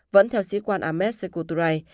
vẫn theo sĩ quan ahmed sekuturay